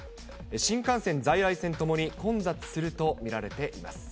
新幹線、在来線ともに混雑すると見られています。